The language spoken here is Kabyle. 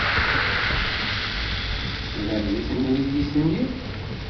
Tellam deg temlilit-nni?